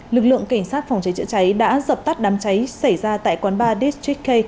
lực lượng cảnh sát phòng cháy chữa cháy đã dập tắt đám cháy xảy ra tại quán ba districk k